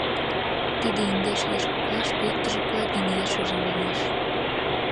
Тиде индеш еш коклаште иктыже Плагин ешыже улмаш.